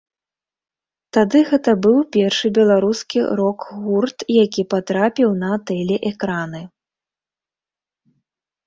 Тады гэта быў першы беларускі рок-гурт, які патрапіў на тэлеэкраны.